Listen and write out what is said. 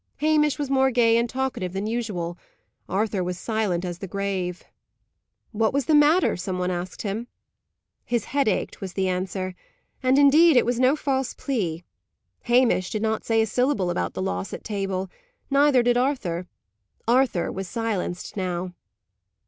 Hamish was more gay and talkative than usual Arthur was silent as the grave. What was the matter, some one asked him. His head ached, was the answer; and, indeed, it was no false plea. Hamish did not say a syllable about the loss at table; neither did Arthur. Arthur was silenced now.